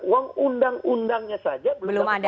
uang undang undangnya saja belum dilakukan